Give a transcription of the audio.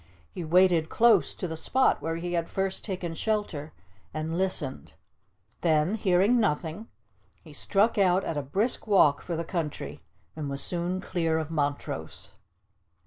He waited close to the spot where he had first taken shelter, and listened; then, hearing nothing, he struck out at a brisk walk for the country, and was soon clear of Montrose.